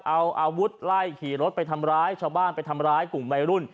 เอาอาวุธไล่ขี่รถไปทำร้ายชาวบ้านไปทำร้ายกลุ่มวัยรุ่น